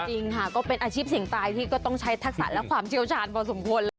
จริงค่ะก็เป็นอาชีพเสี่ยงตายที่ก็ต้องใช้ทักษะและความเชี่ยวชาญพอสมควรเลย